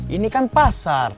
ini kan pasar